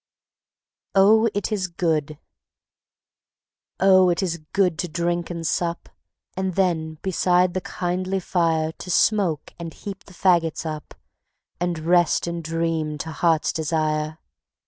Oh, It Is Good Oh, it is good to drink and sup, And then beside the kindly fire To smoke and heap the faggots up, And rest and dream to heart's desire.